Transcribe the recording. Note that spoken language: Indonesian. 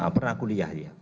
pernah kuliah dia